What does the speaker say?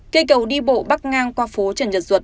cây cầu đi bộ bắc ngang qua phố trần nhật duật